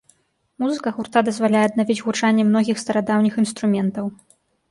Музыка гурта дазваляе аднавіць гучанне многіх старадаўніх інструментаў.